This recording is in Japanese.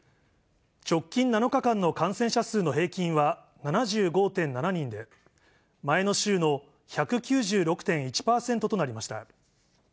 直近７日間の感染者数の平均は７５．７人で、前の週の１９６．１％となりました。